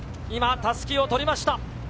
今、襷を取りました。